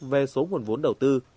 về số nguồn vốn đầu tư